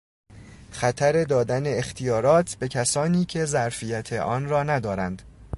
خطر دادن اختیارات به کسانی که ظرفیت آن را ندارند.